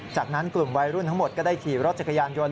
จากนั้นกลุ่มวัยรุ่นทั้งหมดก็ได้ขี่รถจักรยานยนต